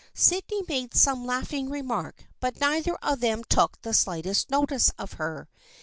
Sydney made some laughing remark but neither of them took the slightest notice of her.